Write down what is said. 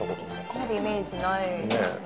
そこまでイメージないですね。